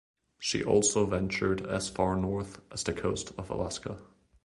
She also ventured as far north as the coast of Alaska.